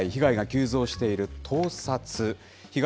被害が急増している盗撮。